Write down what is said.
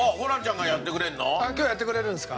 今日やってくれるんですか？